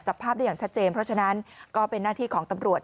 ภาพได้อย่างชัดเจนเพราะฉะนั้นก็เป็นหน้าที่ของตำรวจ